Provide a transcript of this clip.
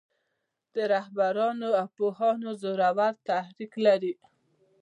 د رهبرانو او پوهانو زورور تحرک لري.